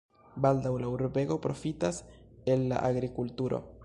Baldaŭ la urbego profitas el la agrikulturo.